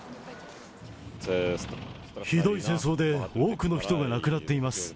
ひどい戦争で、多くの人が亡くなっています。